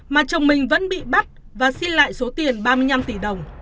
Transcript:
mà chồng mình vẫn bị bắt và xin lại số tiền ba mươi năm tỷ đồng